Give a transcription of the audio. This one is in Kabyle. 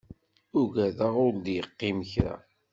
Ugadeɣ ur ɣ-d-iqqim kra.